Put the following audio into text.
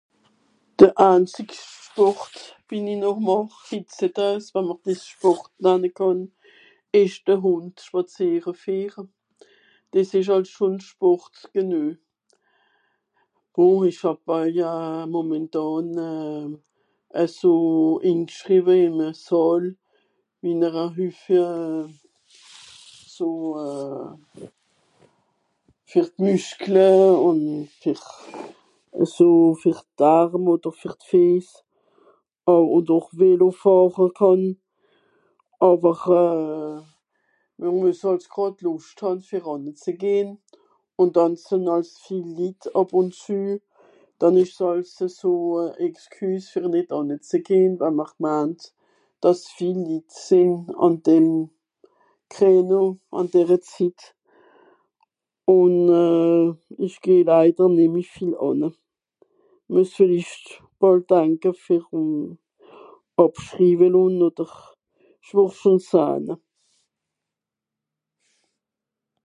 De anzigscht Sport wie-n-i noch màch hitzedoes, wa mr dìs Sport nanne kànn, ìch de Hùnd spàzìere fìere. Dìs ìsch hàlt schon Sport genue. Bon ìch hàb oei momentàn euh eso ingschriwe ìm e Sàl wie mr e hüffe so euh ja fer d'Müskle ùn fer eso fer d'Arm odder fer d'Fìess, odder Vélo fàhre kànn. Àwer euh... mr mues gràd Lùscht hàn fer ànnezegehn, ùn dànn sìnn àls viel Litt àb ùn zü, dànn ìsch's hàlt Excuse fer nìt ànnezegehn, wa mr mant dàss viel Litt sìnn àn dem Créneau, àn dere Zitt. Ùn euh ìch geh leider nemmi viel ànne. Mues vìllicht bàll danke fer àbschriwe lonn odder, ìch wùrd schon sahn.